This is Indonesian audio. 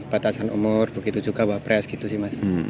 batasan umur begitu juga wapres gitu sih mas